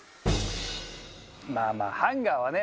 まあまあハンガーはね。